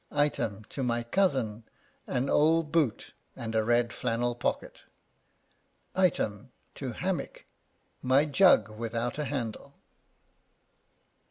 Item : To my cousin, an old boot, and a red flannel pocket. Item : To Hammick, my jug without a handle.